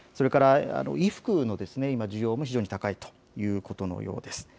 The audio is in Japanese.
それから衣服の需要も非常に高いということのようです。